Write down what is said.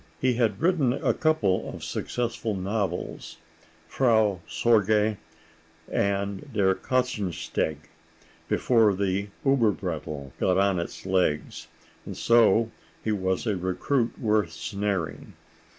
He had written a couple of successful novels, "Frau Sorge" and "Der Katzensteg," before the Uberbrettl' got on its legs, and so he was a recruit worth snaring.